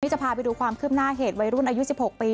จะพาไปดูความคืบหน้าเหตุวัยรุ่นอายุ๑๖ปี